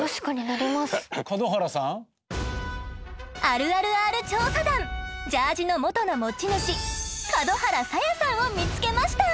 あるあるＲ調査団ジャージの元の持ち主門原紗耶さんを見つけました。